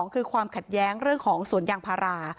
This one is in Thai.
คือความขัดแย้งเรื่องของสวนยางพารา